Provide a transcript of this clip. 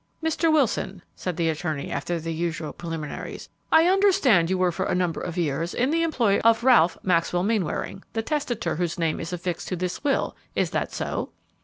"Mr. Wilson," said the attorney, after the usual preliminaries, "I understand you were for a number of years in the employ of Ralph Maxwell Mainwaring, the testator whose name is affixed to this will; is that so?"